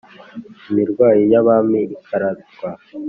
- imirwa y'abami ikaratwa;